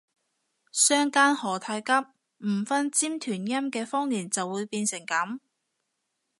相姦何太急，唔分尖團音嘅方言就會變成噉